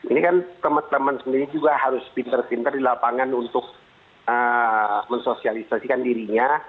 ini kan teman teman sendiri juga harus pinter pinter di lapangan untuk mensosialisasikan dirinya